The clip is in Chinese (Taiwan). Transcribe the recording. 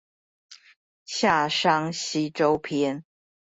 夏商西周篇